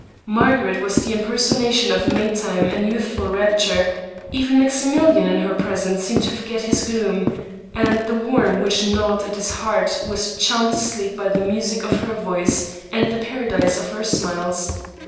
Margaret was the im personation of May time and youthful rapture ; even Maxi milian in her presence seemed to forget his gloom, and the worm which gnawed at his heart was charmed asleep by the music of her voice, and the paradise of her smiles.